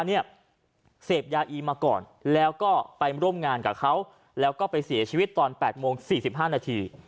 เสพยาอีมาก่อนแล้วก็ไปร่วมงานกับเขาแล้วก็ไปเสียชีวิตตอน๘โมง๔๕นาที